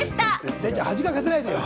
デイちゃん、恥かかせないでよ。